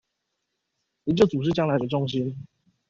研究組是將來的重心